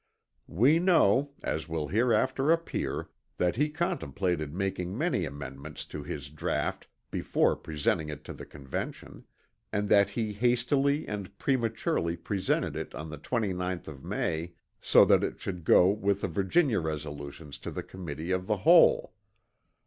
We know, as will hereafter appear, that he contemplated making many amendments to his draught before presenting it to the Convention; and that he hastily and prematurely presented it on the 29th of May so that it should go with the Virginia resolutions to the Committee of the Whole.